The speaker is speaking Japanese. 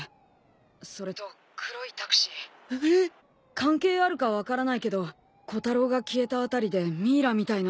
関係あるか分からないけどコタロウが消えた辺りでミイラみたいな。